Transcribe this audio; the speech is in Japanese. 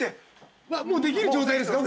もうできる状態ですか？